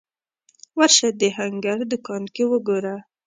ورشه د هنګر دوکان کې وګوره